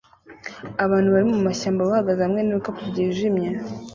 Abantu bari mumashyamba bahagaze hamwe nibikapu byijimye